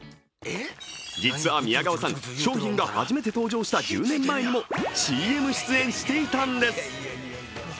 実は宮川さん、商品が初めて登場した１０年前にもＣＭ出演していたんです。